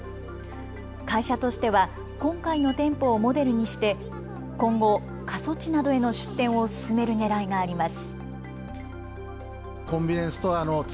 会社としては今回の店舗をモデルにして今後、過疎地などへの出店を進めるねらいがあります。